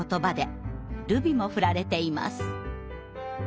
ルビもふられています。